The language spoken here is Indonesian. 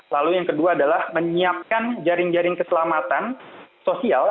lalu yang kedua adalah menyiapkan jaring jaring keselamatan sosial